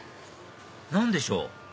何でしょう？